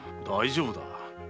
大丈夫だ。